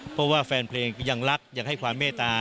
เพราะว่าแฟนเพลงยังรักยังให้ความเมตตา